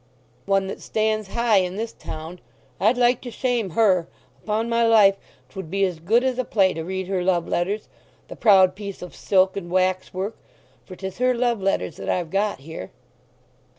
"One that stands high in this town. I'd like to shame her! Upon my life, 'twould be as good as a play to read her love letters, the proud piece of silk and wax work! For 'tis her love letters that I've got here."